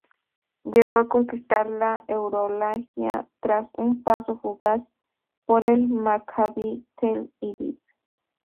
Llegó a conquistar la Euroliga tras un paso fugaz por el Maccabi Tel Aviv.